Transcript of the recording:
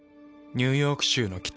ニューヨーク州の北。